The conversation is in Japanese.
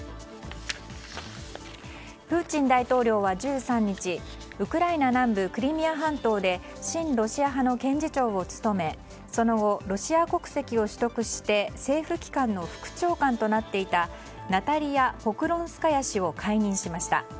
プーチン大統領は１３日ウクライナ南部クリミア半島で親ロシア派の検事長を務めその後、ロシア国籍を取得して政府機関の副長官となっていたナタリア・ポクロンスカヤ氏を解任しました。